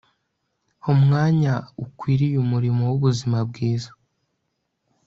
ha umwanya ukwiriye umurimo w'ubuzima bwiza